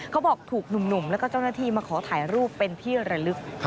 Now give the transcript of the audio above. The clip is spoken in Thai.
เขาบอกถูกหนุ่มแล้วก็เจ้าหน้าที่มาขอถ่ายรูปเป็นที่ระลึก